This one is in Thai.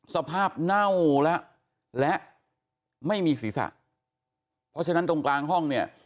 เน่าแล้วและไม่มีศีรษะเพราะฉะนั้นตรงกลางห้องเนี่ย